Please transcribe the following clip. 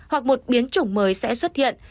hoặc một biến chủng mới sẽ xuất hiện